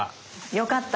よかった。